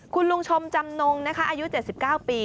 คุณลุงชมจำนงนะคะอายุ๗๙ปี